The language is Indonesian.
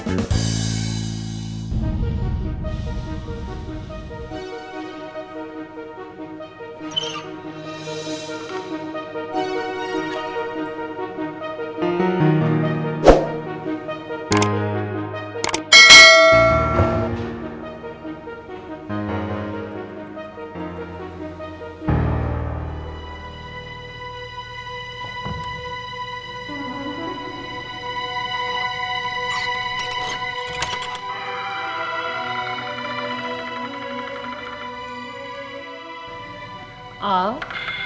rela friday masalah